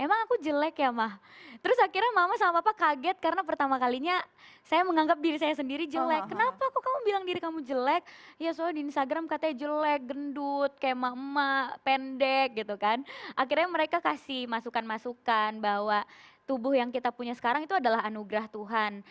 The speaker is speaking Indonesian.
akhirnya mereka kasih masukan masukan bahwa tubuh yang kita punya sekarang itu adalah anugerah tuhan